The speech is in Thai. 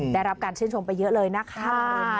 ได้รับการชื่นชมไปเยอะเลยนะคะ